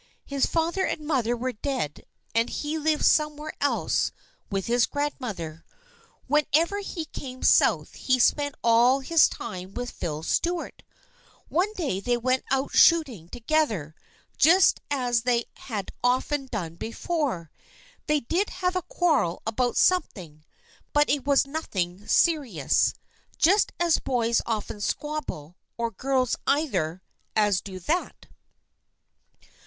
His father and mother were dead and he lived somewhere else with his grandmother. Whenever he came South he spent all his time with Phil Stuart. One day they went out shoot ing together, just as they had often done before. They did have a quarrel about something, but it was nothing serious. Just as boys often squabble, or girls either, as to that.